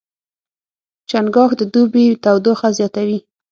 چنګاښ د دوبي تودوخه زیاتوي.